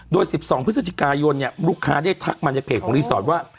โดย๑๒พฤศจิกายนลูกค้าได้ทักมาในเพจของรีสอร์ทว่า